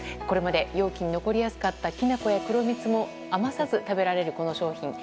これまで容器に残りやすかったきな粉や黒蜜も余さず食べられる、この商品。